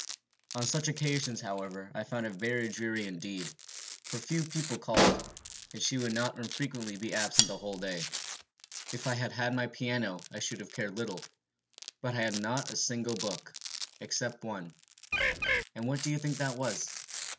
"On such occasions, however, I found it very dreary indeed, for few people called, and she would not unfrequently be absent the whole day. If I had had my piano, I should have cared little; but I had not a single book, except one and what do you think that was?